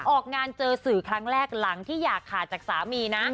ออกงานเจอสื่อครั้งแรกหลังที่อยากขาดจากสามีนะ